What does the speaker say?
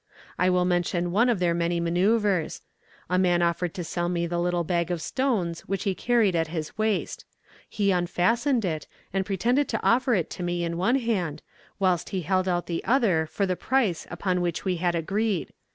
"I will mention one of their many manoeuvres. A man offered to sell me the little bag of stones which he carried at his waist. He unfastened it, and pretended to offer it to me in one hand, whilst he held out the other for the price upon which we had agreed.